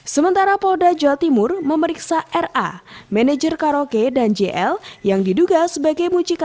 sementara polda jawa timur memeriksa ra manajer karaoke dan jl yang diduga sebagai mucikari